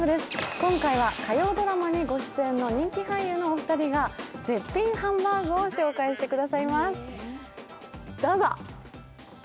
今回は火曜ドラマにご出演の人気俳優のお二人が絶品ハンバーグを紹介してくださいます、どうぞ。